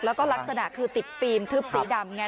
แล้วก็ลักษณะคือติดฟิล์มทึบสีดำไง